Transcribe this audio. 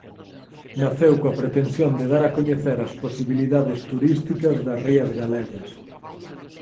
Naceu coa pretensión de dar a coñecer as posibilidades turísticas das rías galegas.